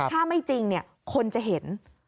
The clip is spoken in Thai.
ถ้าไม่จริงคนจะเห็น